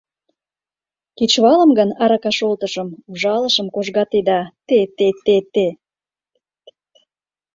Кечывалым гын, арака шолтышым, ужалышым кожгатеда.... те-те-те-те...